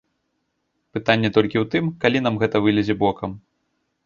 Пытанне толькі ў тым, калі нам гэта вылезе бокам.